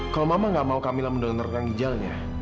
kalau mama gak mau kamilah mendonorkan ginjalnya